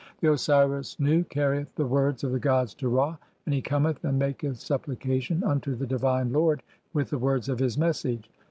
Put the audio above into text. The "Osiris Nu carrieth the words of the gods to Ra, (19) and he "cometh and maketh supplication unto the divine lord (20) with "the words of his message.